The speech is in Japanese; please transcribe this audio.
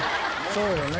そうよね。